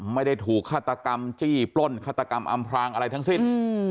ไม่ได้ถูกฆาตกรรมจี้ปล้นฆาตกรรมอำพรางอะไรทั้งสิ้น